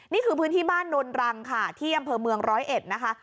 นี่คือพื้นที่บ้านนนรังค่ะที่อำเภอเมืองร้อยเอ็ดนะคะ